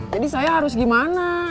jadi saya harus gimana